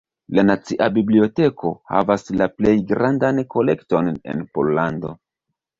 La Nacia Biblioteko havas la plej grandan kolekton en Pollando.